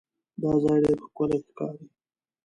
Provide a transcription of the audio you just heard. دا ځای ډېر ښکلی ښکاري.